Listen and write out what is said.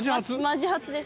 マジ初です。